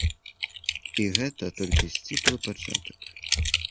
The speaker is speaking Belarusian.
І гэта толькі сціплы пачатак.